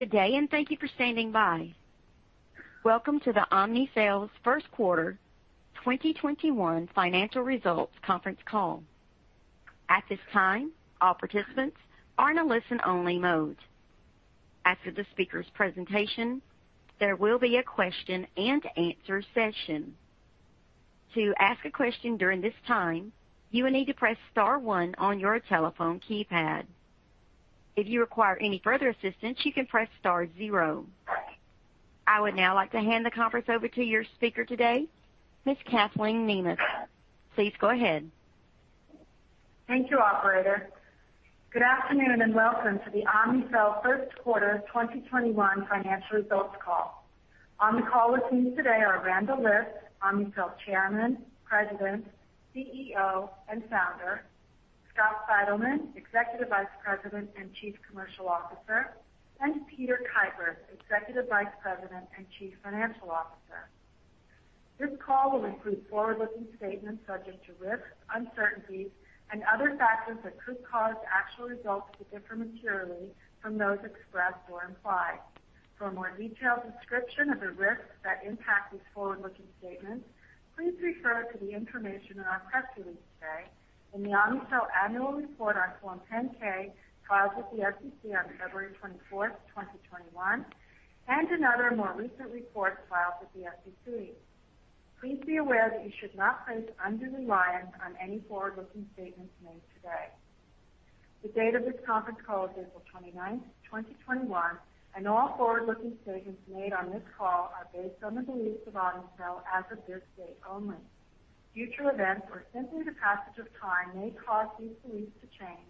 Good day, and thank you for standing by. Welcome to the Omnicell first quarter 2021 financial results conference call. At this time, all participants are in a listen-only mode. After the speakers' presentation, there will be a question-and-answer session. To ask a question during this time, you will need to press star one on your telephone keypad. If you require any further assistance, you can press star zero. I would now like to hand the conference over to your speaker today, Ms. Kathleen Nemeth. Please go ahead. Thank you, operator. Good afternoon, and welcome to the Omnicell first quarter 2021 financial results call. On the call with me today are Randall Lipps, Omnicell Chairman, President, CEO, and Founder, Scott Seidelmann, Executive Vice President and Chief Commercial Officer, and Peter Kuipers, Executive Vice President and Chief Financial Officer. This call will include forward-looking statements subject to risks, uncertainties, and other factors that could cause actual results to differ materially from those expressed or implied. For a more detailed description of the risks that impact these forward-looking statements, please refer to the information in our press release today, in the Omnicell annual report on Form 10-K filed with the SEC on February 24th, 2021, and in other more recent reports filed with the SEC. Please be aware that you should not place undue reliance on any forward-looking statements made today. The date of this conference call is April 29th, 2021, and all forward-looking statements made on this call are based on the beliefs of Omnicell as of this date only. Future events or simply the passage of time may cause these beliefs to change,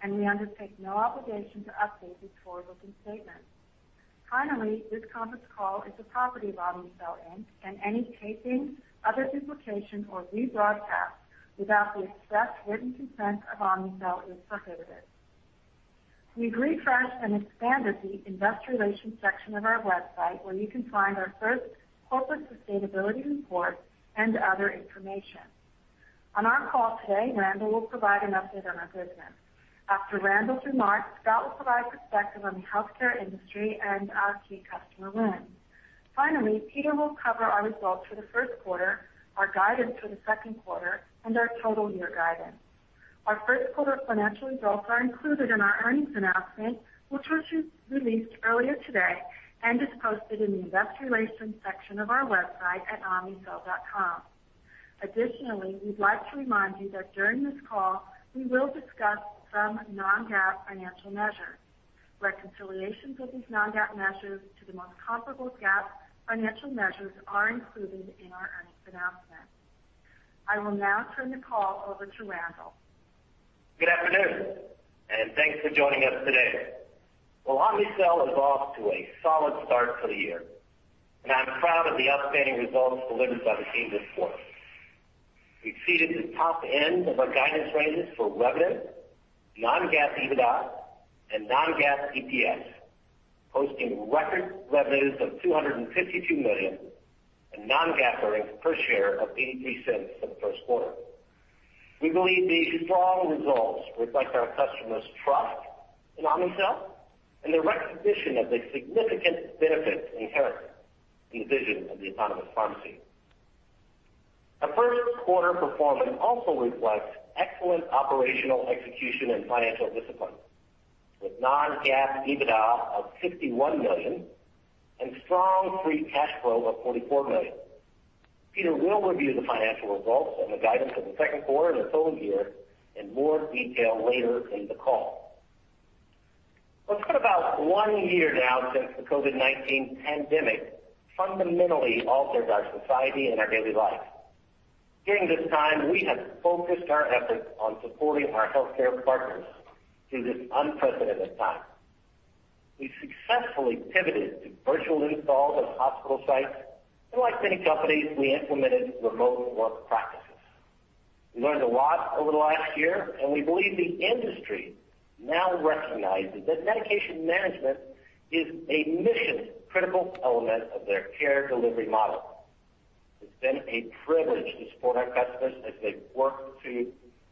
and we undertake no obligation to update these forward-looking statements. Finally, this conference call is the property of Omnicell, Inc. and any taping, other duplication, or rebroadcast without the express written consent of Omnicell is prohibited. We refreshed and expanded the investor relations section of our website, where you can find our first corporate sustainability report and other information. On our call today, Randall will provide an update on our business. After Randall's remarks, Scott will provide perspective on the healthcare industry and our key customer wins. Finally, Peter will cover our results for the first quarter, our guidance for the second quarter, and our total year guidance. Our first quarter financial results are included in our earnings announcement, which was released earlier today and is posted in the investor relations section of our website at omnicell.com. Additionally, we'd like to remind you that during this call, we will discuss some non-GAAP financial measures. Reconciliations of these non-GAAP measures to the most comparable GAAP financial measures are included in our earnings announcement. I will now turn the call over to Randall. Good afternoon. Thanks for joining us today. Well, Omnicell is off to a solid start for the year, and I'm proud of the outstanding results delivered by the team this quarter. We exceeded the top end of our guidance ranges for revenue, non-GAAP EBITDA, and non-GAAP EPS, posting record revenues of $252 million and non-GAAP earnings per share of $0.83 for the first quarter. We believe these strong results reflect our customers' trust in Omnicell and their recognition of the significant benefits inherent in vision of the Autonomous Pharmacy. Our first quarter performance also reflects excellent operational execution and financial discipline, with non-GAAP EBITDA of $61 million and strong free cash flow of $44 million. Peter will review the financial results and the guidance for the second quarter and the full year in more detail later in the call. It's been about one year now since the COVID-19 pandemic fundamentally altered our society and our daily lives. During this time, we have focused our efforts on supporting our healthcare partners through this unprecedented time. We successfully pivoted to virtual installs of hospital sites, and like many companies, we implemented remote work practices. We learned a lot over the last year, and we believe the industry now recognizes that medication management is a mission-critical element of their care delivery model. It's been a privilege to support our customers as they've worked to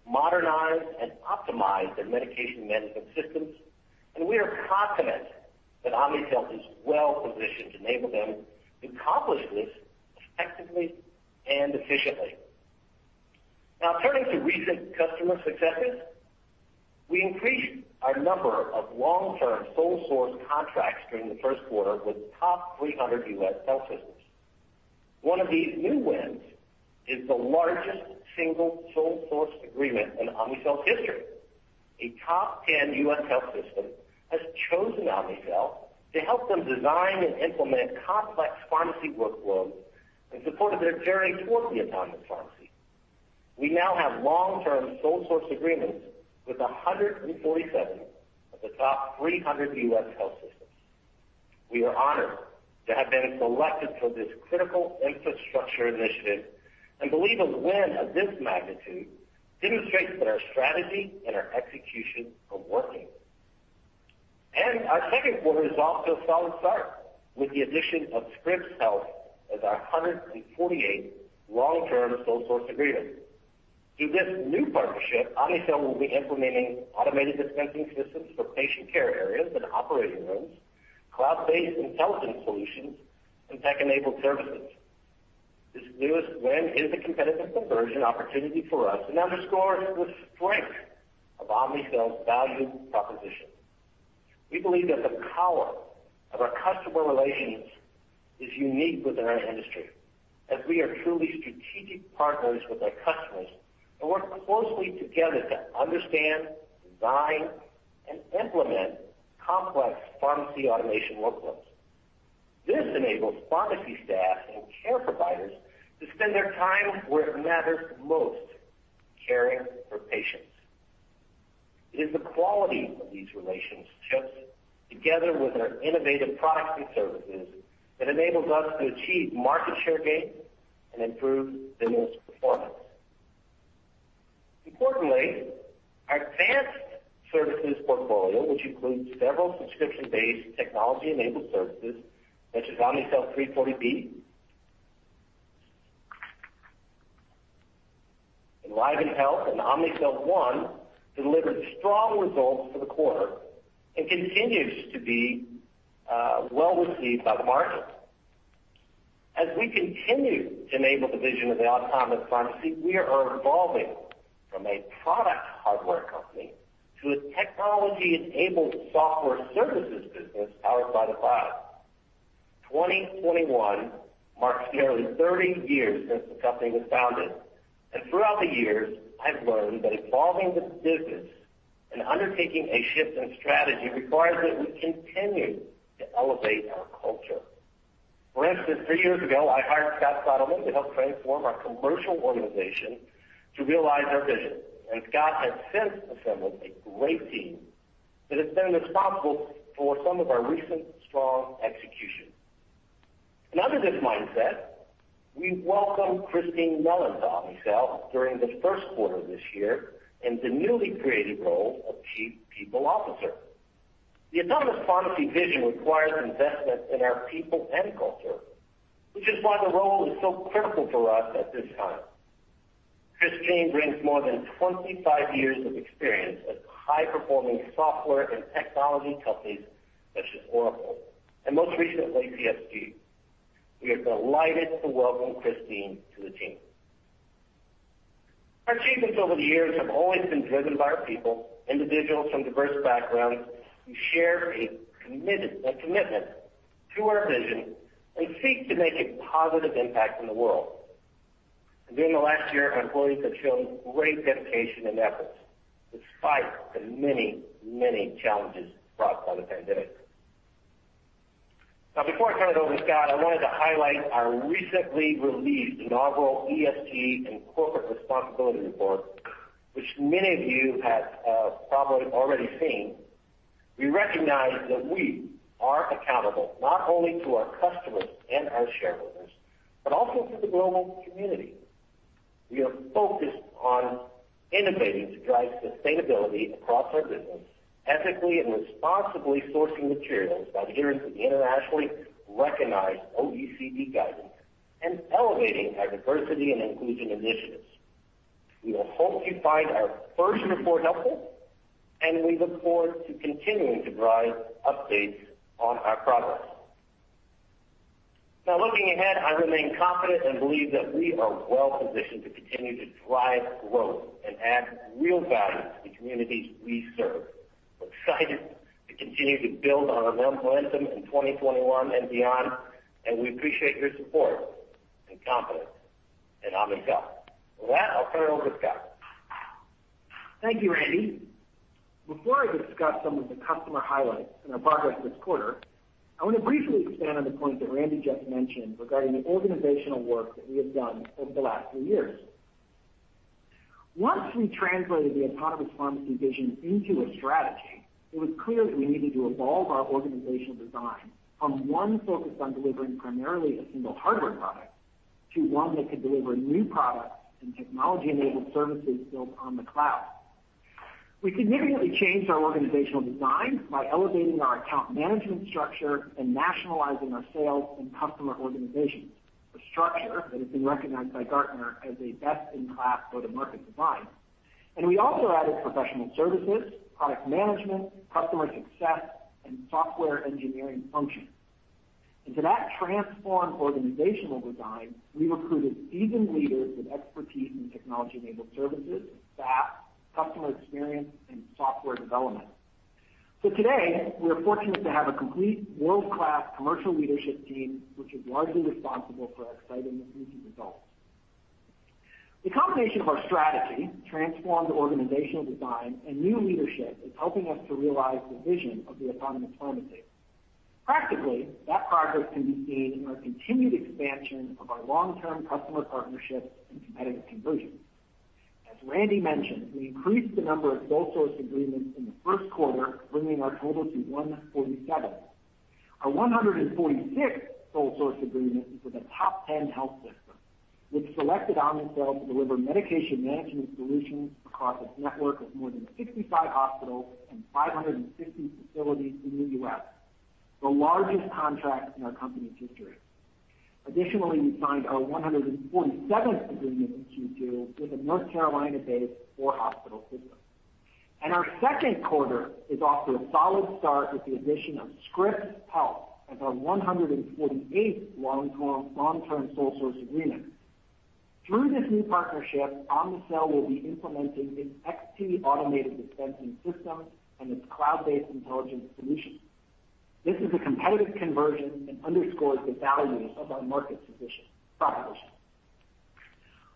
modernize and optimize their medication management systems, and we are confident that Omnicell is well positioned to enable them to accomplish this effectively and efficiently. Turning to recent customer successes. We increased our number of long-term sole source contracts during the first quarter with top 300 U.S. health systems. One of these new wins is the largest single sole source agreement in Omnicell's history. A top 10 U.S. health system has chosen Omnicell to help them design and implement complex pharmacy workflows in support of their journey towards the Autonomous Pharmacy. We now have long-term sole source agreements with 147 of the top 300 U.S. health systems. We are honored to have been selected for this critical infrastructure initiative and believe a win of this magnitude demonstrates that our strategy and our execution are working. Our second quarter is off to a solid start with the addition of Scripps Health as our 148th long-term sole source agreement. Through this new partnership, Omnicell will be implementing automated dispensing systems for patient care areas and operating rooms, cloud-based intelligence solutions, and tech-enabled services. This newest win is a competitive conversion opportunity for us and underscores the strength of Omnicell's value proposition. We believe that the power of our customer relations is unique within our industry, as we are truly strategic partners with our customers and work closely together to understand, design, and implement complex pharmacy automation workflows. This enables pharmacy staff and care providers to spend their time where it matters most, caring for patients. It is the quality of these relationships, together with our innovative products and services, that enables us to achieve market share gains and improve business performance. Importantly, our advanced services portfolio, which includes several subscription-based technology-enabled services such as Omnicell 340B, EnlivenHealth, and Omnicell One, delivered strong results for the quarter and continues to be well-received by the market. As we continue to enable the vision of the Autonomous Pharmacy, we are evolving from a product hardware company to a technology-enabled software services business powered by the cloud. 2021 marks nearly 30 years since the company was founded. Throughout the years, I've learned that evolving this business and undertaking a shift in strategy requires that we continue to elevate our culture. For instance, three years ago, I hired Scott Sieldermann to help transform our commercial organization to realize our vision. Scott has since assembled a great team that has been responsible for some of our recent strong execution. Under this mindset, we welcomed Christine Mellon to Omnicell during the first quarter of this year in the newly created role of Chief People Officer. The Autonomous Pharmacy vision requires investment in our people and culture, which is why the role is so critical for us at this time. Christine brings more than 25 years of experience at high-performing software and technology companies such as Oracle and most recently, CSG. We are delighted to welcome Christine to the team. Our achievements over the years have always been driven by our people, individuals from diverse backgrounds, who share a commitment to our vision and seek to make a positive impact in the world. During the last year, our employees have shown great dedication and efforts despite the many challenges brought by the pandemic. Before I turn it over to Scott, I wanted to highlight our recently released inaugural ESG and corporate responsibility report, which many of you have probably already seen. We recognize that we are accountable not only to our customers and our shareholders, but also to the global community. We are focused on innovating to drive sustainability across our business ethically and responsibly sourcing materials by adhering to the internationally recognized OECD guidance and elevating our diversity and inclusion initiatives. We hope you find our first report helpful, and we look forward to continuing to provide updates on our progress. Now, looking ahead, I remain confident and believe that we are well positioned to continue to drive growth and add real value to the communities we serve. We're excited to continue to build on our momentum in 2021 and beyond, and we appreciate your support and confidence in Omnicell. With that, I'll turn it over to Scott. Thank you, Randy. Before I discuss some of the customer highlights and our progress this quarter, I want to briefly expand on the point that Randy just mentioned regarding the organizational work that we have done over the last three years. Once we translated the Autonomous Pharmacy vision into a strategy, it was clear that we needed to evolve our organizational design from one focused on delivering primarily a single hardware product to one that could deliver new products and technology-enabled services built on the cloud. We significantly changed our organizational design by elevating our account management structure and nationalizing our sales and customer organization, a structure that has been recognized by Gartner as a best-in-class go-to-market design. We also added professional services, product management, customer success, and software engineering functions. Into that transformed organizational design, we recruited seasoned leaders with expertise in technology-enabled services, SaaS, customer experience, and software development. Today, we are fortunate to have a complete world-class commercial leadership team, which is largely responsible for our exciting recent results. The combination of our strategy, transformed organizational design, and new leadership is helping us to realize the vision of the Autonomous Pharmacy. Practically, that progress can be seen in our continued expansion of our long-term customer partnerships and competitive conversions. As Randy mentioned, we increased the number of sole source agreements in the first quarter, bringing our total to 147. Our 146th sole source agreement is with a top 10 health system, which selected Omnicell to deliver medication management solutions across its network of more than 65 hospitals and 550 facilities in the U.S., the largest contract in our company's history. Additionally, we signed our 147th agreement in Q2 with a North Carolina-based four-hospital system. Our second quarter is off to a solid start with the addition of Scripps Health as our 148th long-term sole source agreement. Through this new partnership, Omnicell will be implementing its XT automated dispensing system and its cloud-based intelligence solution. This is a competitive conversion and underscores the value of our market proposition.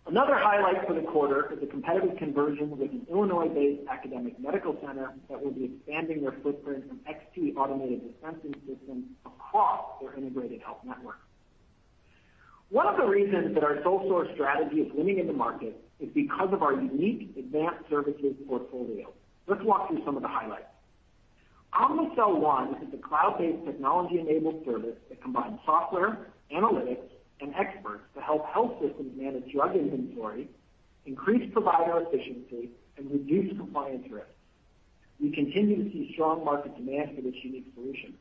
Another highlight for the quarter is a competitive conversion with an Illinois-based academic medical center that will be expanding their footprint from XT automated dispensing systems across their integrated health network. One of the reasons that our sole source strategy is winning in the market is because of our unique advanced services portfolio. Let's walk through some of the highlights. Omnicell One is a cloud-based technology-enabled service that combines software, analytics, and experts to help health systems manage drug inventory, increase provider efficiency, and reduce compliance risks. We continue to see strong market demand for this unique solution.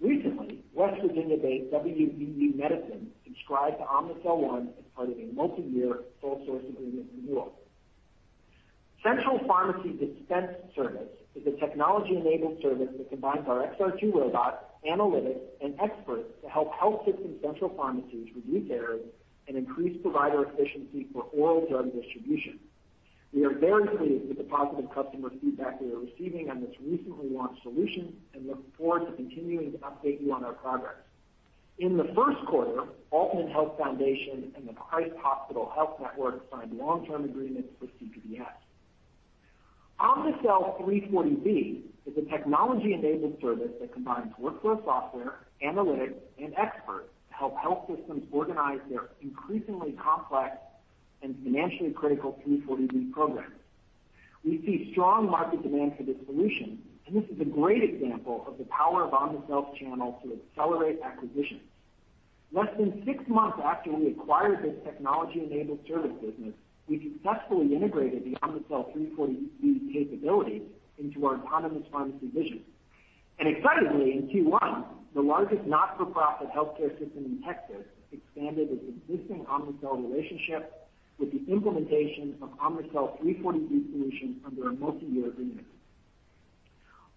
Recently, West Virginia-based WVU Medicine subscribed to Omnicell One as part of a multiyear sole source agreement renewal. Central Pharmacy Dispensing Service is a technology-enabled service that combines our XR2 robot, analytics, and experts to help health system central pharmacies reduce errors and increase provider efficiency for oral drug distribution. We are very pleased with the positive customer feedback we are receiving on this recently launched solution and look forward to continuing to update you on our progress. In the first quarter, Atrium Health Foundation and The Christ Hospital Health Network signed long-term agreements for CPDS. Omnicell 340B is a technology-enabled service that combines workflow software, analytics, and experts to help health systems organize their increasingly complex and financially critical 340B programs. We see strong market demand for this solution, this is a great example of the power of Omnicell's channel to accelerate acquisitions. Less than six months after we acquired this technology-enabled service business, we successfully integrated the Omnicell 340B capabilities into our Autonomous Pharmacy vision. Excitedly, in Q1, the largest not-for-profit healthcare system in Texas expanded its existing Omnicell relationship with the implementation of Omnicell 340B solution under a multiyear agreement.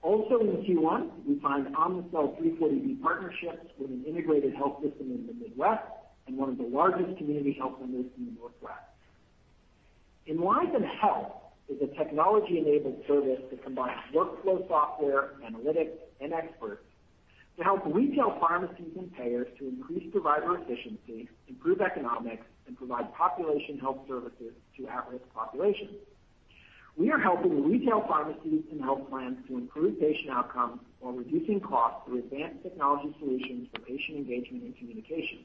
Also in Q1, we signed Omnicell 340B partnerships with an integrated health system in the Midwest and one of the largest community health members in the Northwest. EnlivenHealth is a technology-enabled service that combines workflow software, analytics, and experts to help retail pharmacies and payers to increase provider efficiency, improve economics, and provide population health services to at-risk populations. We are helping retail pharmacies and health plans to improve patient outcomes while reducing costs through advanced technology solutions for patient engagement and communication.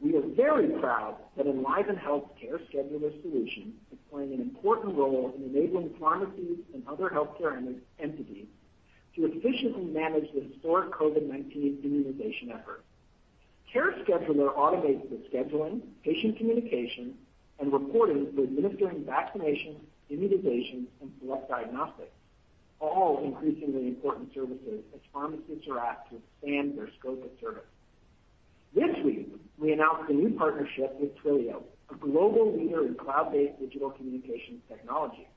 We are very proud that EnlivenHealth CareScheduler solution is playing an important role in enabling pharmacies and other healthcare entities to efficiently manage the historic COVID-19 immunization effort. CareScheduler automates the scheduling, patient communication, and reporting for administering vaccinations, immunizations, and select diagnostics, all increasingly important services as pharmacies are apt to expand their scope of service. This week, we announced a new partnership with Twilio, a global leader in cloud-based digital communication technology.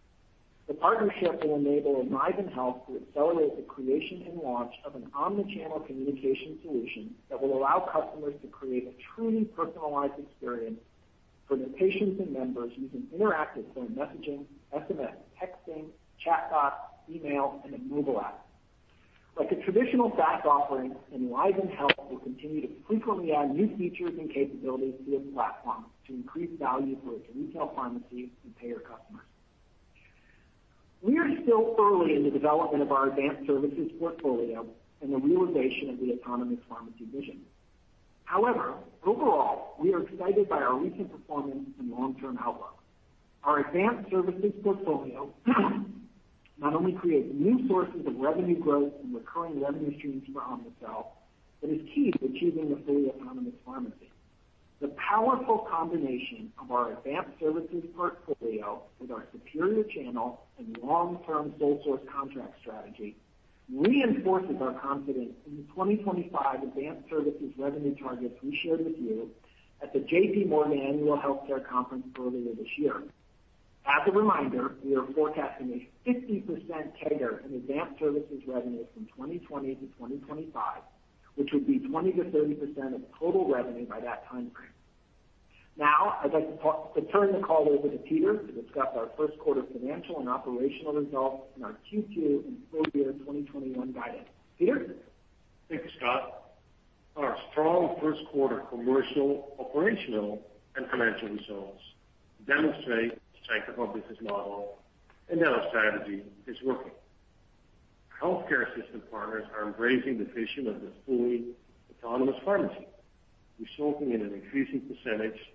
The partnership will enable EnlivenHealth to accelerate the creation and launch of an omnichannel communication solution that will allow customers to create a truly personalized experience for their patients and members using interactive phone messaging, SMS texting, chatbots, email, and a mobile app. Like a traditional SaaS offering, EnlivenHealth will continue to frequently add new features and capabilities to this platform to increase value for its retail pharmacies and payer customers. We are still early in the development of our advanced services portfolio and the realization of the Autonomous Pharmacy vision. Overall, we are excited by our recent performance and long-term outlook. Our advanced services portfolio not only creates new sources of revenue growth and recurring revenue streams for Omnicell, but is key to achieving a fully autonomous pharmacy. The powerful combination of our advanced services portfolio with our superior channel and long-term sole source contract strategy reinforces our confidence in the 2025 advanced services revenue targets we shared with you at the JPMorgan Annual Healthcare Conference earlier this year. As a reminder, we are forecasting a 50% CAGR in advanced services revenue from 2020 to 2025, which would be 20%-30% of total revenue by that timeframe. Now, I'd like to turn the call over to Peter to discuss our first quarter financial and operational results and our Q2 and full year 2021 guidance. Peter? Thank you, Scott. Our strong first quarter commercial, operational, and financial results demonstrate the strength of our business model and that our strategy is working. Healthcare system partners are embracing the vision of the fully Autonomous Pharmacy, resulting in an increasing percentage of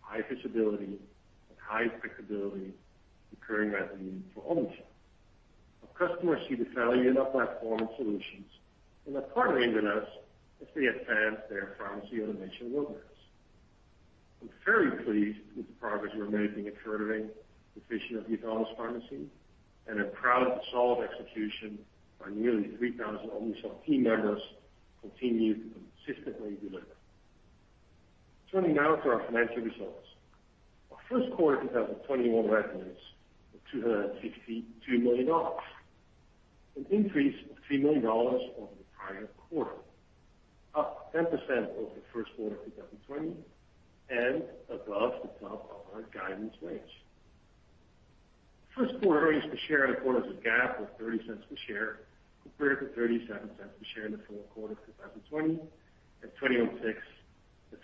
high visibility and high predictability recurring revenue for Omnicell. Our customers see the value in our platform and solutions and are partnering with us as they advance their pharmacy automation roadmaps. I'm very pleased with the progress we're making at furthering the vision of the Autonomous Pharmacy, and I'm proud of the solid execution our nearly 3,000 Omnicell team members continue to consistently deliver. Turning now to our financial results. Our first quarter 2021 revenues were $263 million. An increase of $3 million over the prior quarter, up 10% over the first quarter of 2020, above the top of our guidance range. First quarter earnings per share on a GAAP basis of $0.30 per share, compared to $0.37 per share in the fourth quarter of 2020, and $0.26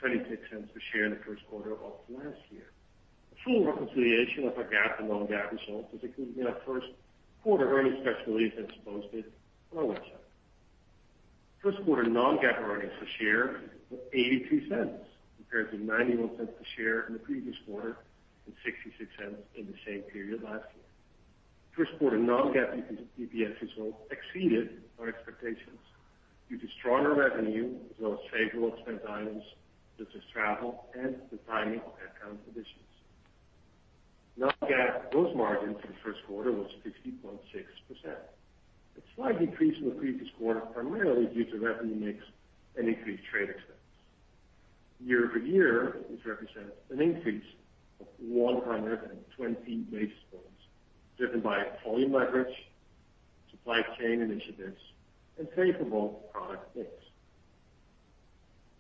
per share in the first quarter of 2020. A full reconciliation of our GAAP and non-GAAP results is included in our first quarter earnings press release and posted on our website. First quarter non-GAAP earnings per share were $0.83 compared to $0.91 a share in the previous quarter, and $0.66 in the same period 2020. First quarter non-GAAP EPS result exceeded our expectations due to stronger revenue as well as favorable expense items such as travel and the timing of account additions. Non-GAAP gross margin for the first quarter was 50.6%. A slight decrease from the previous quarter, primarily due to revenue mix and increased freight expense. Year-over-year, which represents an increase of 120 basis points, driven by volume leverage, supply chain initiatives, and favorable product mix.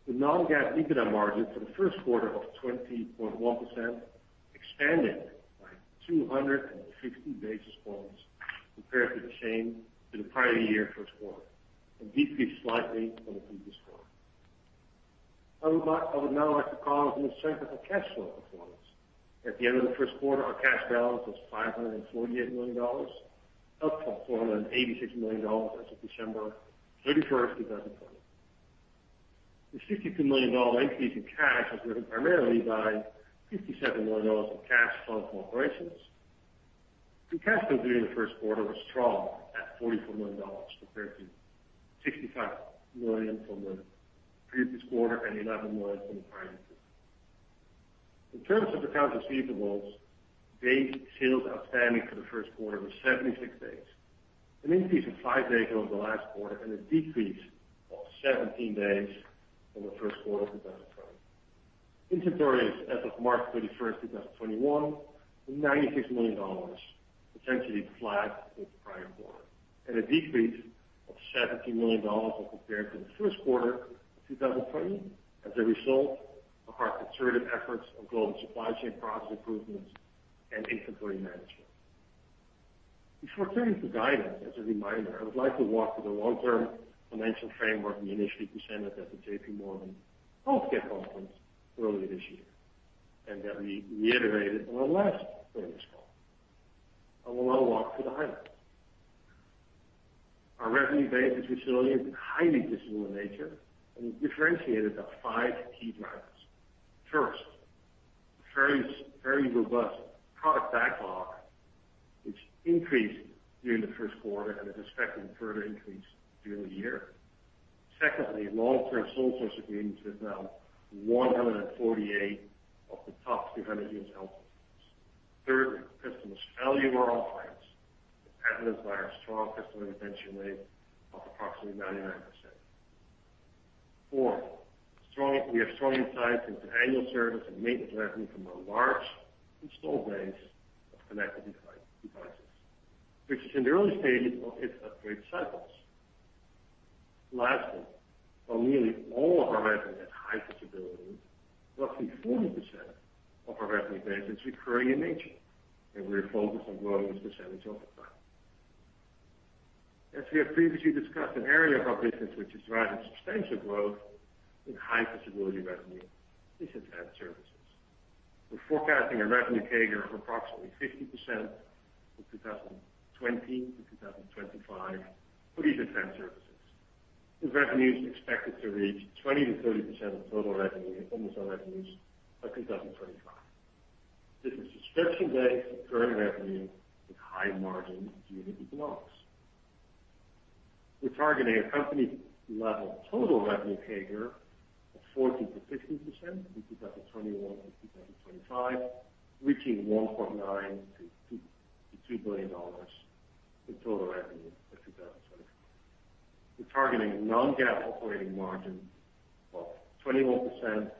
The non-GAAP EBITDA margin for the first quarter of 20.1%, expanded by 250 basis points compared to the prior year first quarter, and decreased slightly from the previous quarter. I would now like to comment on the strength of our cash flow performance. At the end of the first quarter, our cash balance was $548 million, up from $486 million as of December 31st, 2020. The $62 million increase in cash was driven primarily by $57 million in cash flow from operations. The cash flow during the first quarter was strong at $44 million, compared to $65 million from the previous quarter and $11 million from the prior year. In terms of accounts receivables, days sales outstanding for the first quarter was 76 days, an increase of five days over the last quarter and a decrease of 17 days from the first quarter of 2020. Inventories as of March 31st, 2021 were $96 million, essentially flat with the prior quarter, and a decrease of $17 million when compared to the first quarter of 2020 as a result of our concerted efforts on global supply chain process improvements and inventory management. Before turning to guidance, as a reminder, I would like to walk through the long-term financial framework we initially presented at the JPMorgan Healthcare Conference earlier this year, and that we reiterated on our last earnings call. I will now walk through the highlights. Our revenue base is resilient and highly visible in nature, and is differentiated by five key drivers. First, a very robust product backlog, which increased during the first quarter and is expected to further increase during the year. Secondly, long-term sole source agreements with now 148 of the top 300 U.S. health systems. Thirdly, customer value across all clients, evidenced by our strong customer retention rate of approximately 99%. Fourth, we have strong insights into annual service and maintenance revenue from our large installed base of connected devices, which is in the early stages of its upgrade cycles. Lastly, while nearly all of our revenue has high visibility, roughly 40% of our revenue base is recurring in nature, and we are focused on growing this percentage over time. As we have previously discussed, an area of our business which is driving substantial growth in high visibility revenue is advanced services. We're forecasting a revenue CAGR of approximately 50% from 2020 to 2025 for these advanced services, with revenues expected to reach 20%-30% of total Omnicell revenues by 2025. This is subscription-based recurring revenue with high margin unit economics. We're targeting a company-level total revenue CAGR of 14%-16% in 2021 to 2025, reaching $1.9 billion-$2 billion in total revenue by 2025. We're targeting non-GAAP operating margin of 21%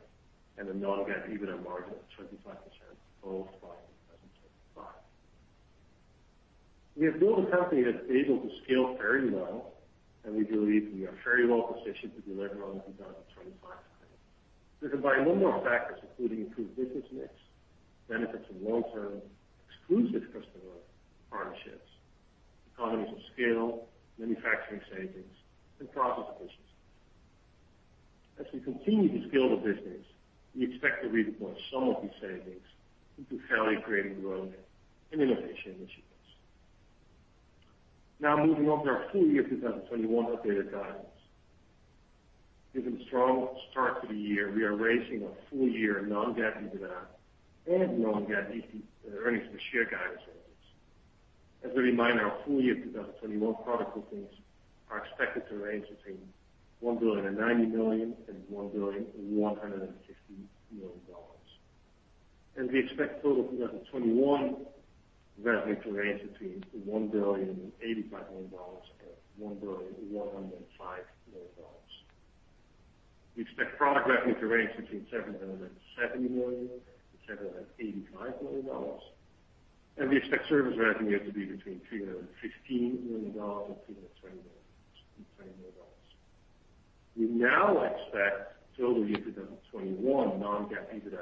and a non-GAAP EBITDA margin of 25%, both by 2025. We have built a company that's able to scale very well, and we believe we are very well positioned to deliver on our 2025 plans. This is driven by a number of factors, including improved business mix, benefits of long-term exclusive customer partnerships, economies of scale, manufacturing savings, and process efficiency. As we continue to scale the business, we expect to redeploy some of these savings into value-creating growth and innovation initiatives. Moving on to our full year 2021 updated guidance. Given the strong start to the year, we are raising our full year non-GAAP EBITDA and non-GAAP earnings per share guidance. As a reminder, our full year 2021 product bookings are expected to range between $1 billion and $90 million and $1 billion and $150 million. We expect total 2021 revenue to range between $1 billion and $85 million and $1 billion and $105 million. We expect product revenue to range between $770 million and $785 million. We expect service revenue to be between $315 million and $320 million. We now expect total year 2021 non-GAAP EBITDA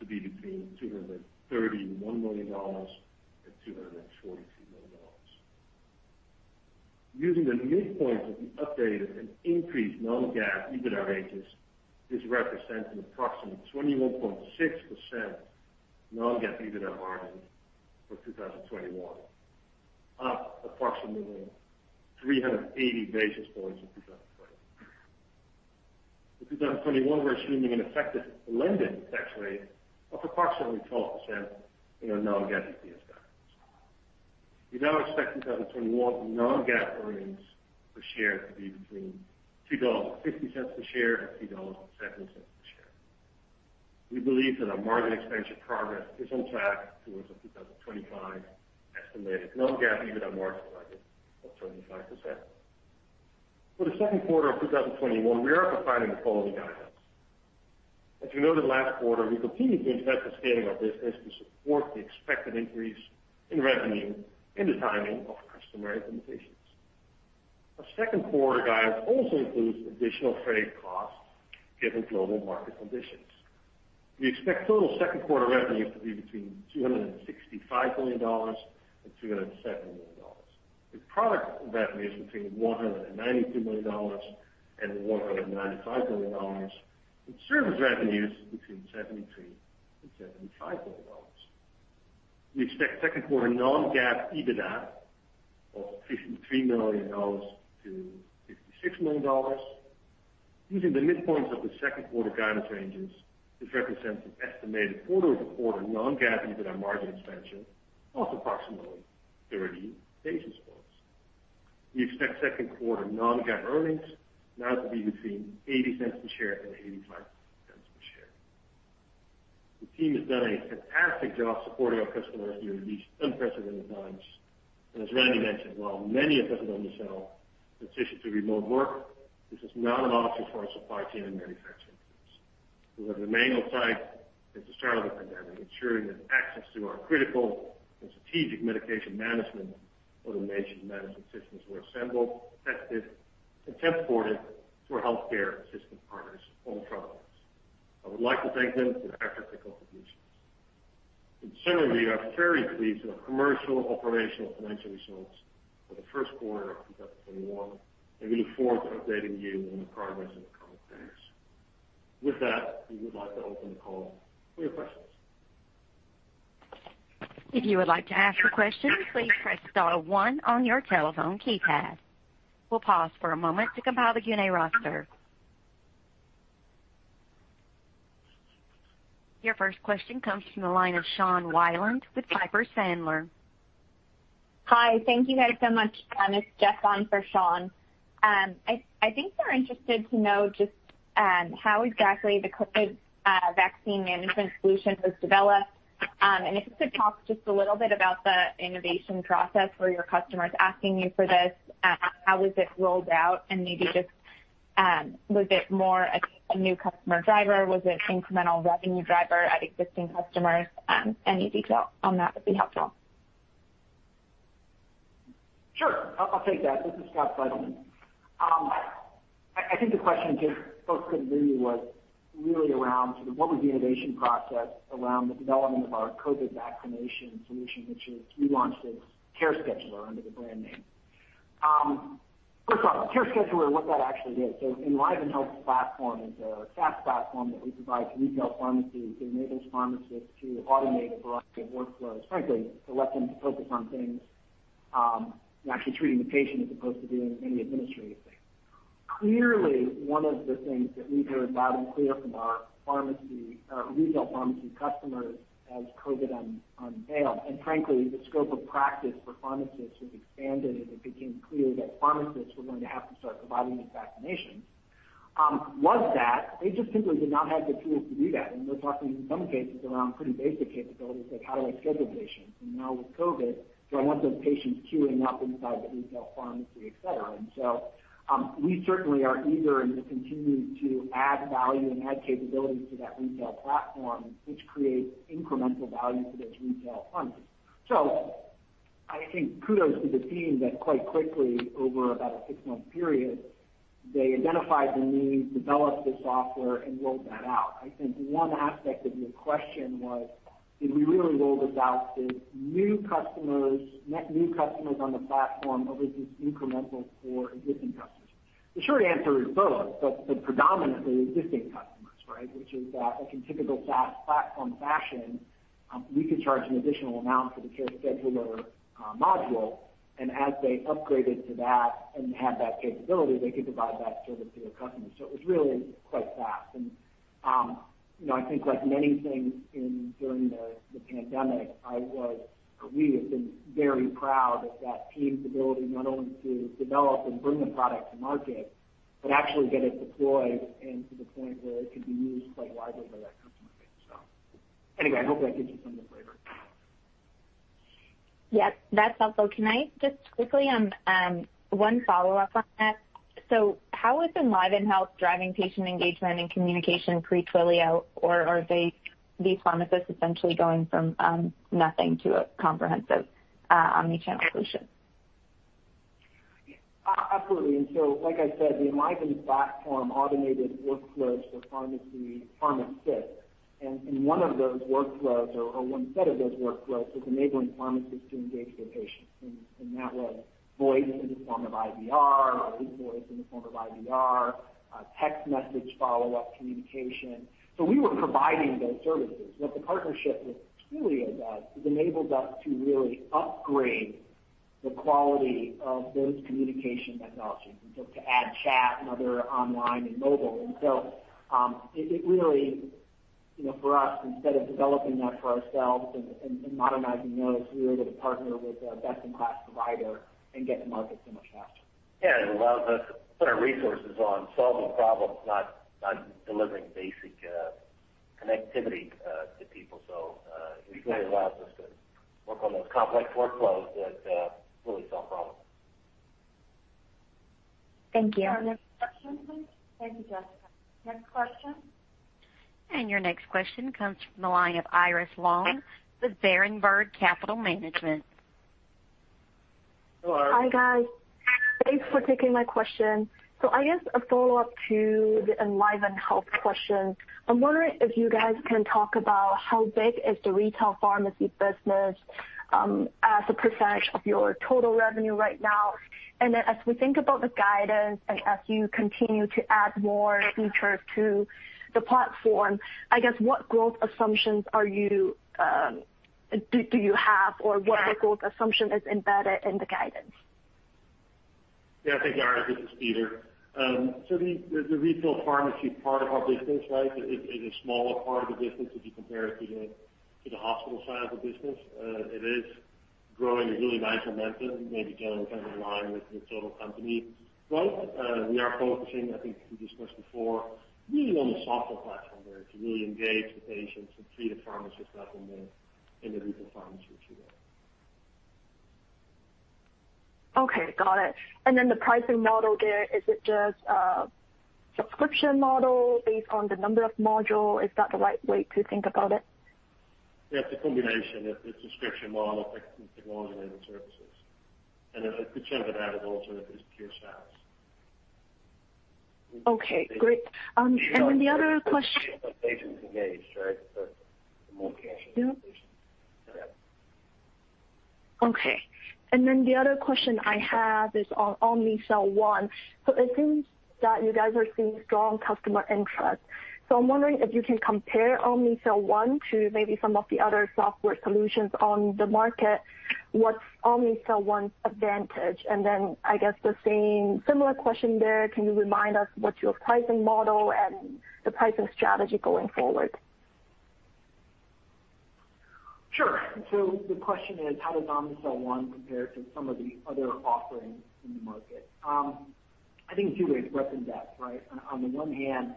to be between $231 million and $242 million. Using the midpoint of the updated and increased non-GAAP EBITDA ranges, this represents an approximate 21.6% non-GAAP EBITDA margin for 2021, up approximately 380 basis points in 2020. In 2021, we're assuming an effective blended tax rate of approximately 12% in our non-GAAP EPS guidance. We now expect 2021 non-GAAP earnings per share to be between $2.50 per share and $3.70 per share. We believe that our margin expansion progress is on track towards our 2025 estimated non-GAAP EBITDA margin target of 25%. For the second quarter of 2021, we are providing the following guidance. As you noted last quarter, we continue to invest in scaling our business to support the expected increase in revenue and the timing of customer implementations. Our second quarter guidance also includes additional freight costs given global market conditions. We expect total second quarter revenue to be between $265 million and $270 million, with product revenues between $192 million and $195 million, and service revenues between $73 million and $75 million. We expect second quarter non-GAAP EBITDA of $53 million to $56 million. Using the midpoints of the second quarter guidance ranges, this represents an estimated quarter-over-quarter non-GAAP EBITDA margin expansion of approximately 30 basis points. We expect second quarter non-GAAP earnings now to be between $0.80 per share and $0.85 per share. The team has done a fantastic job supporting our customers during these unprecedented times. As Randy mentioned, while many of us at Omnicell have transitioned to remote work, this is not an option for our supply chain and manufacturing teams, who have remained on site since the start of the pandemic, ensuring that access to our critical and strategic medication management automation management systems were assembled, tested, and transported to our healthcare system partners all throughout this. I would like to thank them for their efforts and contributions. In summary, we are very pleased with our commercial, operational, and financial results for the first quarter of 2021, and we look forward to updating you on the progress in the coming quarters. With that, we would like to open the call for your questions. If you would like to ask a question, please press star one on your telephone keypad. We'll pause for a moment to compile the Q&A roster. Your first question comes from the line of Sean Wieland with Piper Sandler. Hi. Thank you guys so much. It's Jess on for Sean. I think we're interested to know just how exactly the COVID vaccine management solution was developed. If you could talk just a little bit about the innovation process. Were your customers asking you for this? How was it rolled out? Maybe just, was it more a new customer driver? Was it incremental revenue driver at existing customers? Any detail on that would be helpful. Sure. I'll take that. This is Scott Seidelmann. I think the question, if folks couldn't hear me, was really around what was the innovation process around the development of our COVID vaccination solution, which is we launched as CareScheduler under the brand name. First off, CareScheduler, what that actually is, EnlivenHealth platform is a SaaS platform that we provide to retail pharmacies to enable pharmacists to automate a variety of workflows, frankly, to let them focus on things and actually treating the patient as opposed to doing many administrative things. Clearly, one of the things that we heard loud and clear from our retail pharmacy customers as COVID unraveled, and frankly, the scope of practice for pharmacists was expanded as it became clear that pharmacists were going to have to start providing these vaccinations, was that they just simply did not have the tools to do that. We're talking, in some cases, around pretty basic capabilities, like how do I schedule patients? Now with COVID, do I want those patients queuing up inside the retail pharmacy, et cetera. We certainly are eager to continue to add value and add capabilities to that retail platform, which creates incremental value for those retail pharmacies. I think kudos to the team that quite quickly, over about a six-month period, they identified the need, developed the software, and rolled that out. I think one aspect of your question was, did we really roll this out to net new customers on the platform, or was this incremental for existing customers? The short answer is both, but predominantly existing customers, right? Which is that in typical SaaS platform fashion, we could charge an additional amount for the CareScheduler module. As they upgraded to that and had that capability, they could provide that service to their customers. It was really quite fast. I think like many things during the pandemic, we have been very proud of that team's ability not only to develop and bring the product to market, but actually get it deployed and to the point where it could be used quite widely by that customer base. Anyway, I hope that gives you some of the flavor. Yes, that's helpful. Can I just quickly, one follow-up on that. How has EnlivenHealth driving patient engagement and communication pre-Twilio, or are these pharmacists essentially going from nothing to a comprehensive omni-channel solution? Absolutely. Like I said, the Enliven platform automated workflows for pharmacists, and one of those workflows, or one set of those workflows, is enabling pharmacists to engage their patients in that way. Voice in the form of IVR, text message follow-up communication. We were providing those services. What the partnership with Twilio does is enables us to really upgrade the quality of those communication technologies and to add chat and other online and mobile. It really, for us, instead of developing that for ourselves and modernizing those, we were able to partner with a best-in-class provider and get to market so much faster. Yeah, it allows us to put our resources on solving problems, not delivering basic connectivity to people. It really allows us to work on those complex workflows that really solve problems. Thank you. Our next question, please. Thank you, Jessica. Next question. Your next question comes from the line of Iris Long with Berenberg Capital Management. Hello. Hi, guys. Thanks for taking my question. I guess a follow-up to the EnlivenHealth question. I'm wondering if you guys can talk about how big is the retail pharmacy business as a percentage of your total revenue right now. As we think about the guidance and as you continue to add more features to the platform, I guess, what growth assumptions do you have, or what growth assumption is embedded in the guidance? Yeah, thank you, Iris. This is Peter. The retail pharmacy part of our business, right, is a smaller part of the business if you compare it to the hospital side of the business. It is growing at a really nice momentum, maybe generally kind of in line with the total company. While we are focusing, I think as we discussed before, really on the software platform there to really engage the patients and freeing up the pharmacist in the retail pharmacy today. Okay, got it. The pricing model there, is it just a subscription model based on the number of modules? Is that the right way to think about it? Yeah, it's a combination. It's a subscription model mixed with the one-time services. A good chunk of that also is pure SaaS. Okay, great. The other question- Patients engaged, right? Yeah. Yeah. Okay. The other question I have is on Omnicell One. It seems that you guys are seeing strong customer interest. I'm wondering if you can compare Omnicell One to maybe some of the other software solutions on the market. What's Omnicell One's advantage? I guess the same similar question there, can you remind us what your pricing model and the pricing strategy going forward? Sure. The question is, how does Omnicell One compare to some of the other offerings in the market? I think two ways. One's in depth, right? On the one hand,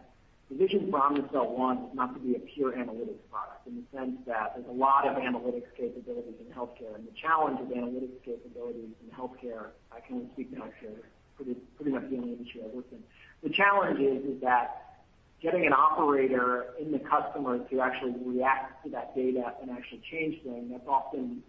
the vision for Omnicell One was not to be a pure analytics product in the sense that there's a lot of analytics capabilities in healthcare, and the challenge with analytics capabilities in healthcare, I can only speak to healthcare, pretty much the only industry I work in. The challenge is that getting an operator and the customer to actually react to that data and actually change things, that's often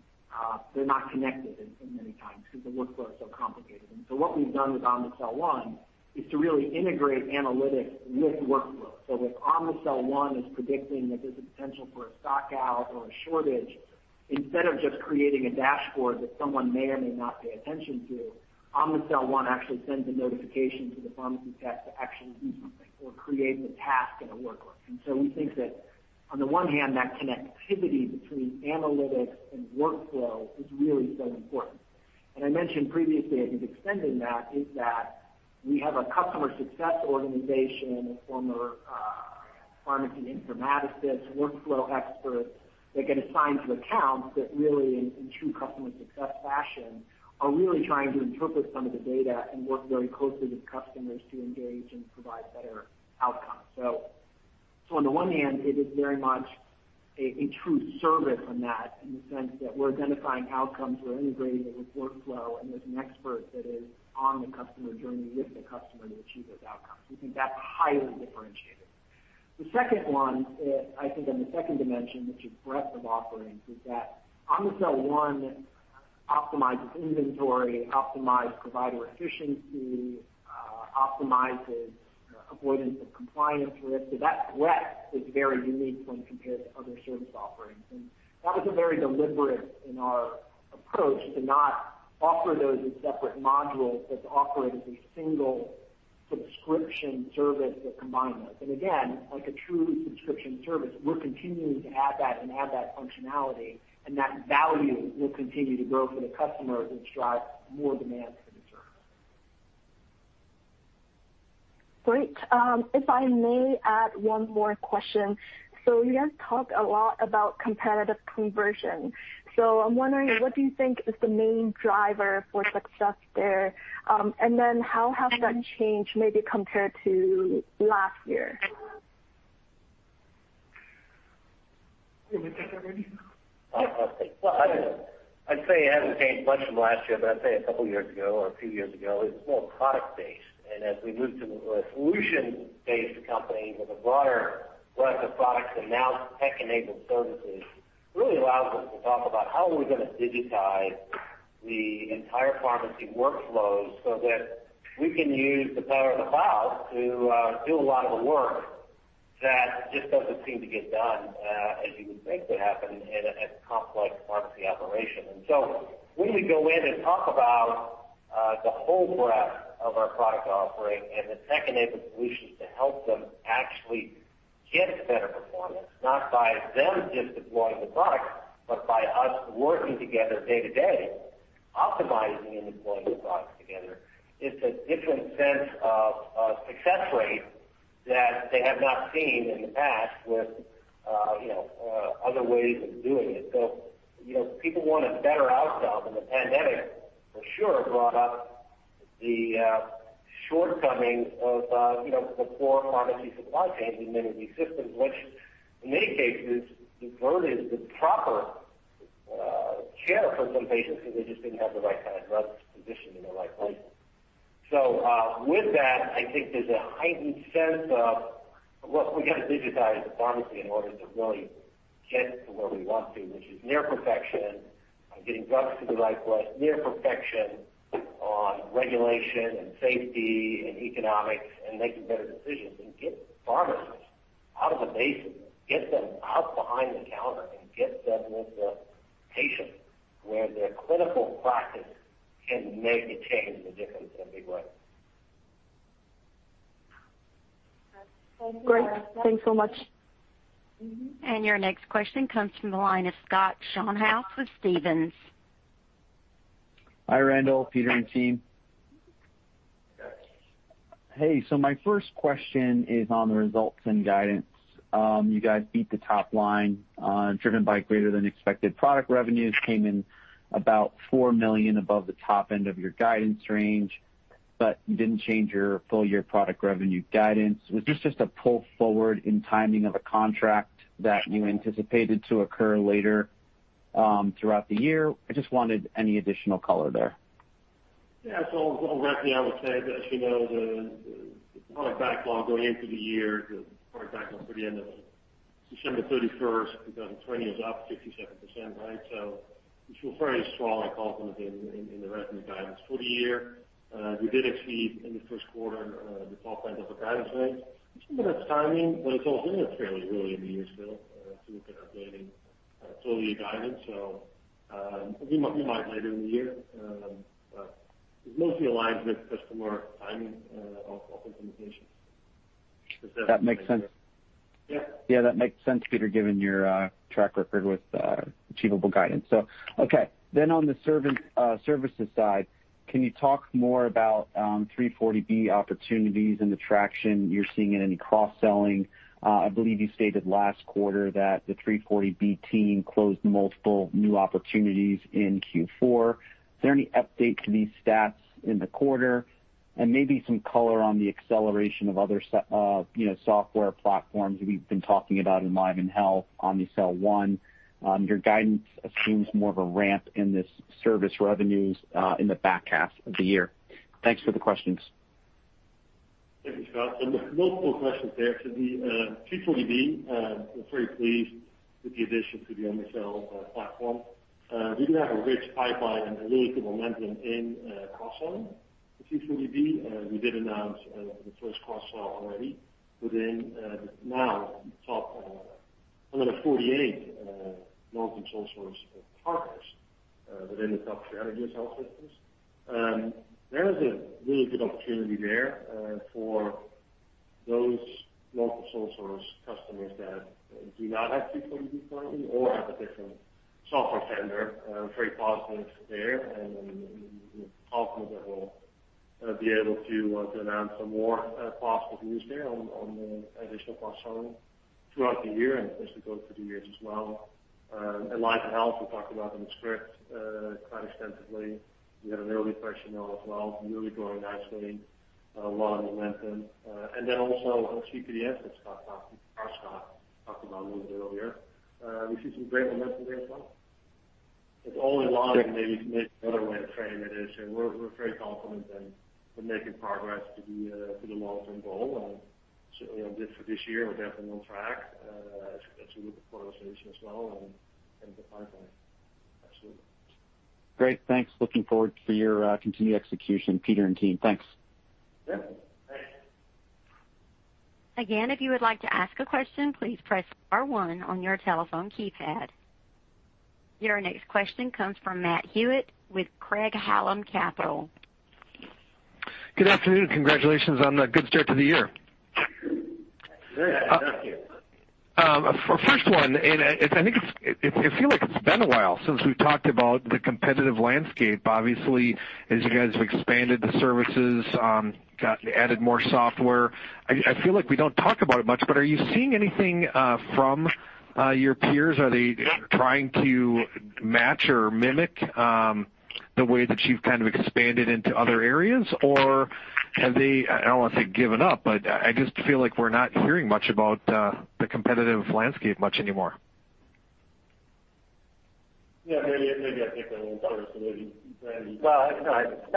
they're not connected many times because the workflows are so complicated. What we've done with Omnicell One is to really integrate analytics with workflow. If Omnicell One is predicting that there's a potential for a stock out or a shortage, instead of just creating a dashboard that someone may or may not pay attention to, Omnicell One actually sends a notification to the pharmacy tech to actually do something or create a task in a workflow. We think that on the one hand, that connectivity between analytics and workflow is really so important. I mentioned previously, I think extending that, is that we have a customer success organization of former pharmacy informaticists, workflow experts that get assigned to accounts that really, in true customer success fashion, are really trying to interpret some of the data and work very closely with customers to engage and provide better outcomes. On the one hand, it is very much a true service on that in the sense that we're identifying outcomes, we're integrating it with workflow, and there's an expert that is on the customer journey with the customer to achieve those outcomes. We think that's highly differentiated. The second one, I think on the second dimension, which is breadth of offerings, is that Omnicell One optimizes inventory, optimizes provider efficiency, optimizes avoidance of compliance risk. That breadth is very unique when compared to other service offerings. That was a very deliberate in our approach to not offer those as separate modules, but to offer it as a single subscription service that combine those. Again, like a true subscription service, we're continuing to add that and add that functionality, and that value will continue to grow for the customer and drive more demand for the service. Great. If I may add one more question. You guys talk a lot about competitive conversion. I'm wondering, what do you think is the main driver for success there? How has that changed maybe compared to last year? You want me to take that one? Yeah. I'll take that. Well, I'd say it hasn't changed much from last year, but I'd say a couple of years ago or a few years ago, it was more product-based. As we moved to a solution-based company with a broader breadth of products and now tech-enabled services, really allows us to talk about how are we going to digitize the entire pharmacy workflows so that we can use the power of the cloud to do a lot of the work that just doesn't seem to get done as you would think would happen in a complex pharmacy operation. When we go in and talk about the whole breadth of our product offering and the tech-enabled solutions to help them actually get better performance, not by them just deploying the product, but by us working together day to day, optimizing and deploying the products together, it's a different sense of success rate that they have not seen in the past with other ways of doing it. People want a better outcome, and the pandemic for sure brought up the shortcomings of the poor pharmacy supply chains in many of these systems, which in many cases, diverted the proper care for some patients because they just didn't have the right kind of drugs positioned in the right place. With that, I think there's a heightened sense of, look, we got to digitize the pharmacy in order to really get to where we want to, which is near perfection on getting drugs to the right place, near perfection on regulation and safety and economics, and making better decisions and get pharmacists out of the basement, get them out behind the counter and get them with the patient where their clinical practice can maybe change the difference in a big way. Thank you. Great. Thanks so much. Your next question comes from the line of Scott Schoenhaus with Stephens. Hi, Randall, Peter, and team. Yes. Hey, my first question is on the results and guidance. You guys beat the top line, driven by greater than expected product revenues, came in about $4 million above the top end of your guidance range, but you didn't change your full-year product revenue guidance. Was this just a pull forward in timing of a contract that you anticipated to occur later throughout the year? I just wanted any additional color there. Yeah. I'll wrap up on that. As you know, the product backlog going into the year, the product backlog for the end of December 31st 2020 is up 57%. We feel very strong and confident in the revenue guidance for the year. We did exceed in the first quarter the top end of the guidance range. It's a bit of timing, but it's also fairly early in the year still to look at updating full year guidance. We might later in the year. It's mostly aligned with customer timing of implementations. Does that? That makes sense. Yeah. Yeah, that makes sense, Peter, given your track record with achievable guidance. Okay. On the services side, can you talk more about 340B opportunities and the traction you're seeing in any cross-selling? I believe you stated last quarter that the 340B team closed multiple new opportunities in Q4. Is there any update to these stats in the quarter and maybe some color on the acceleration of other software platforms we've been talking about in EnlivenHealth, Omnicell One? Your guidance assumes more of a ramp in this service revenues, in the back half of the year. Thanks for the questions. Thank you, Scott. Multiple questions there. The 340B, we're very pleased with the addition to the Omnicell platform. We do have a rich pipeline and really good momentum in cross-selling the 340B. We did announce the first cross-sell already within the now top 148 multi-source partners within the top strategy of health systems. There is a really good opportunity there for those multi-source customers that do not have 340B currently or have a different software vendor. Very positive there and we're confident that we'll be able to announce some more positive news there on the additional cross-selling throughout the year and as we go through the years as well. In EnlivenHealth, we talked about them in script quite extensively. We had an early question there as well, really growing nicely, a lot of momentum. Also on CPDS, which Scott talked about a little bit earlier. We see some great momentum there as well. It's all in line and maybe another way to frame it is we're very confident in making progress to the long-term goal, and certainly for this year, we're definitely on track as we look at the quarter situation as well and the pipeline. Absolutely. Great. Thanks. Looking forward to your continued execution, Peter and team. Thanks. Yeah. Thanks. Again, if you would like to ask a question, please press star one on your telephone keypad. Your next question comes from Matthew Hewitt with Craig-Hallum Capital. Good afternoon. Congratulations on the good start to the year. Thank you. First one, I feel like it's been a while since we've talked about the competitive landscape. Obviously, as you guys have expanded the services, added more software, I feel like we don't talk about it much, but are you seeing anything from your peers? Are they trying to match or mimic the way that you've kind of expanded into other areas? Have they, I don't want to say given up, but I just feel like we're not hearing much about the competitive landscape much anymore. Yeah. Maybe I'll take that one first, and then Randall Lipps.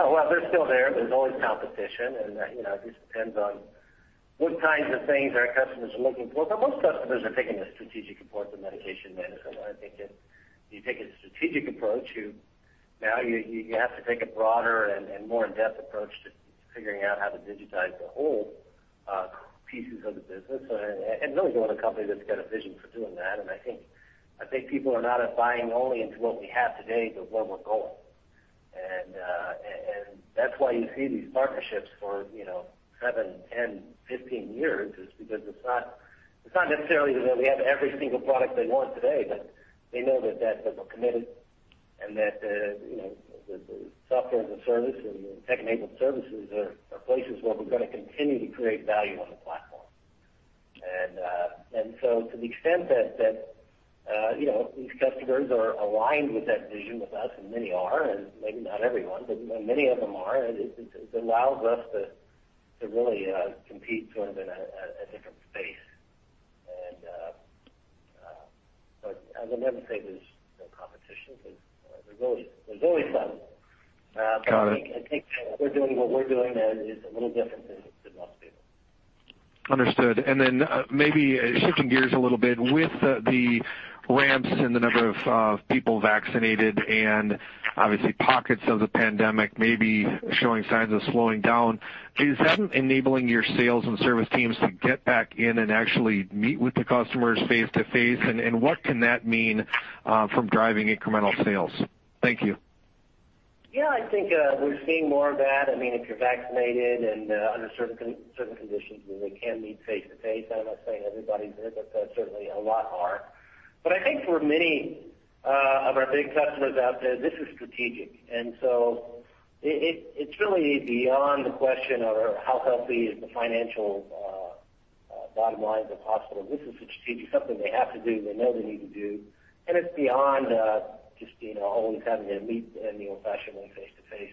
Well, they're still there. There's always competition, and it just depends on what kinds of things our customers are looking for. Most customers are taking a strategic approach to medication management. I think if you take a strategic approach, now you have to take a broader and more in-depth approach to figuring out how to digitize the whole pieces of the business, and really want a company that's got a vision for doing that. I think people are not buying only into what we have today, but where we're going. That's why you see these partnerships for seven, 10, 15 years, is because it's not necessarily that we have every single product they want today, but they know that we're committed and that the software as a service and tech-enabled services are places where we're going to continue to create value on the platform. To the extent that these customers are aligned with that vision with us, and many are, and maybe not everyone, but many of them are, it allows us to really compete sort of in a different space. I would never say there's no competition because there's always some. Got it. I think that what we're doing is a little different than most people. Understood. Then maybe shifting gears a little bit. With the ramps in the number of people vaccinated and obviously pockets of the pandemic maybe showing signs of slowing down, is that enabling your sales and service teams to get back in and actually meet with the customers face-to-face? What can that mean from driving incremental sales? Thank you. Yeah, I think we're seeing more of that. If you're vaccinated and under certain conditions where they can meet face-to-face, I'm not saying everybody's there, but certainly a lot are. I think for many of our big customers out there, this is strategic, and so it's really beyond the question of how healthy is the financial bottom line of the hospital. This is strategic, something they have to do, they know they need to do, and it's beyond just always having to meet in the old-fashioned way face-to-face.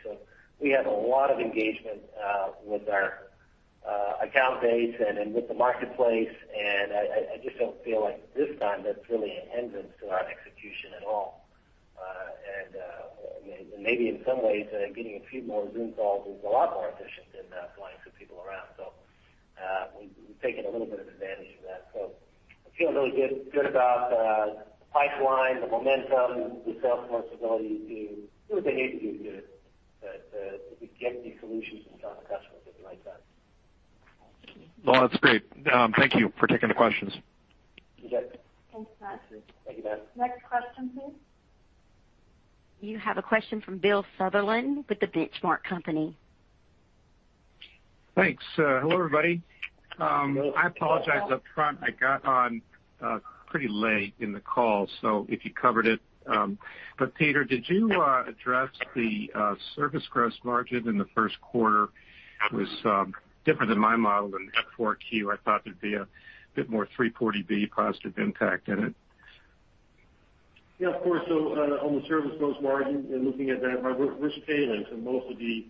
We have a lot of engagement with our account base and with the marketplace, and I just don't feel like this time that's really an hindrance to our execution at all. Maybe in some ways, getting a few more Zoom calls is a lot more efficient than flying some people around. We've taken a little bit of advantage of that. I feel really good about the pipeline, the momentum, the sales force ability to do what they need to do to get these solutions in front of customers that like that. Well, that's great. Thank you for taking the questions. You bet. Thanks, Matt. Thank you, Matt. Next question, please. You have a question from Bill Sutherland with The Benchmark Company. Thanks. Hello, everybody. I apologize up front. I got on pretty late in the call, so if you covered it. Peter, did you address the service gross margin in the first quarter? It was different than my model in F4Q. I thought there'd be a bit more 340B positive impact in it. On the service gross margin and looking at that, we're scaling to most of the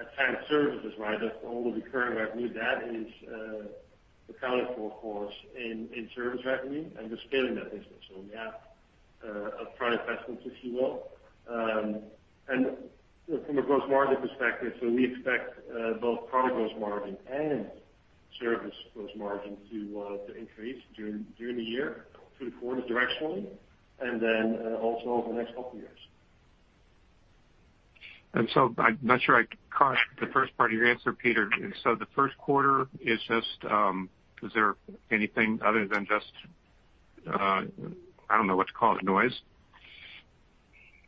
attached services, right? That's all the recurring revenue that is accounted for, of course, in service revenue and the scaling that business. We have up-front investments, if you will. From a gross margin perspective, we expect both product gross margin and service gross margin to increase during the year through the quarter directionally, also over the next couple years. I'm not sure I caught the first part of your answer, Peter. The first quarter, is there anything other than just, I don't know what to call it, noise?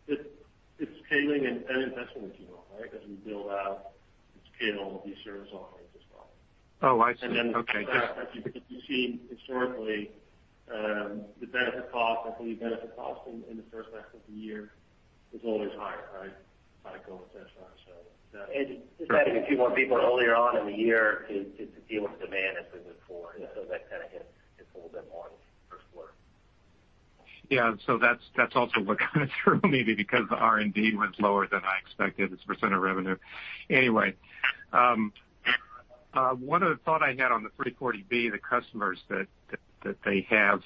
It's scaling and investment, if you will, right? As we build out, scale these service offerings as well. Oh, I see. Okay. You see historically, I believe benefit cost in the first half of the year is always higher, right? Product go-to-market. Yeah. Just adding a few more people earlier on in the year to deal with demand as we move forward. That kind of hits a little bit more in the first quarter. Yeah. That's also what kind of threw me because the R&D was lower than I expected as a percent of revenue. One other thought I had on the 340B, the customers that they have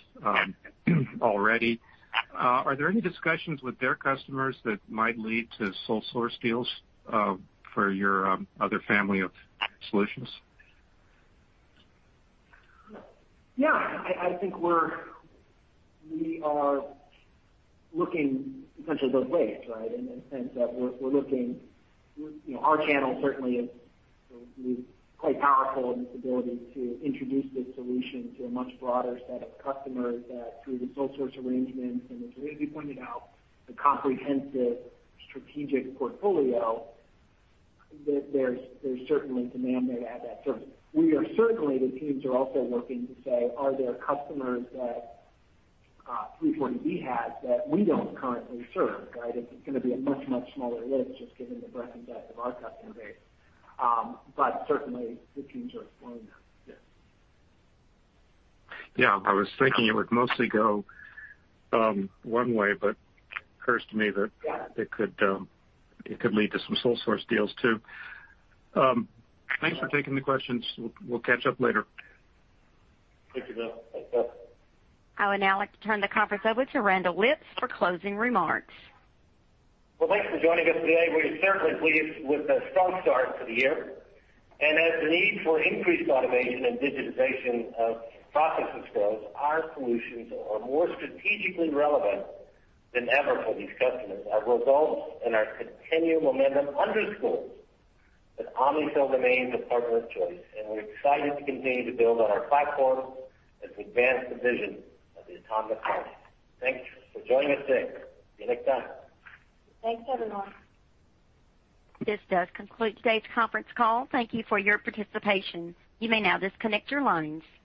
already. Are there any discussions with their customers that might lead to sole source deals for your other family of solutions? Yeah, I think we are looking potentially those ways, right? In the sense that our channel certainly is quite powerful in its ability to introduce this solution to a much broader set of customers through the sole source arrangements. As Randy pointed out, the comprehensive strategic portfolio, that there's certainly demand there to add that service. Certainly, the teams are also looking to say, are there customers that 340B has that we don't currently serve, right? It's going to be a much, much smaller list, just given the breadth and depth of our customer base. Certainly the teams are exploring that. Yeah. Yeah. I was thinking it would mostly go one way, but occurs to me that it could lead to some sole source deals too. Thanks for taking the questions. We'll catch up later. Thank you, Bill. Thanks, Bill. I would now like to turn the conference over to Randall Lipps for closing remarks. Well, thanks for joining us today. We're certainly pleased with the strong start to the year. As the need for increased automation and digitization of processes grows, our solutions are more strategically relevant than ever for these customers. Our results and our continued momentum underscores that Omnicell remains the partner of choice, and we're excited to continue to build on our platform and advance the vision of the Autonomous Pharmacy. Thanks for joining us today. See you next time. Thanks, everyone. This does conclude today's conference call. Thank you for your participation. You may now disconnect your lines.